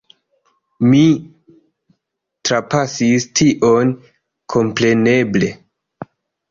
Mi trapasis tion, kompreneble.